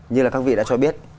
như là các vị đã cho biết